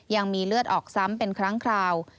ยังมีเลือดออกซ้ำเป็นครั้งคราว